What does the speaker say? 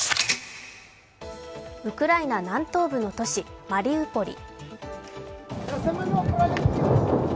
ウクライナ南東部の都市・マリウポリ。